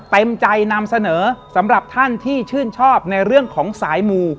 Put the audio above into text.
เต็มใจนำเสนอสำหรับท่านที่ชื่นชอบในเรื่องของสายมู